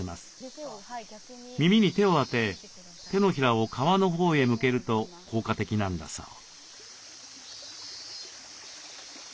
耳に手を当て手のひらを川のほうへ向けると効果的なんだそう。